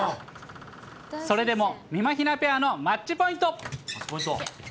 それでも、みまひなペアのマッチポイント。